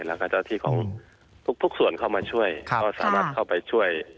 แล้วก็เจ้าที่ของทุกส่วนเข้ามาช่วยก็สามารถเข้าไปช่วย